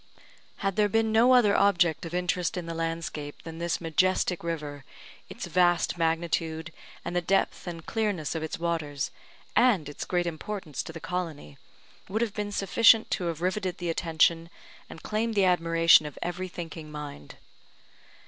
Had there been no other object of interest in the landscape than this majestic river, its vast magnitude, and the depth and clearness of its waters, and its great importance to the colony, would have been sufficient to have riveted the attention, and claimed the admiration of every thinking mind.